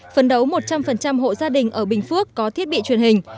phấn đấu một trăm linh hộ gia đình ở bình phước có thiết bị truyền hình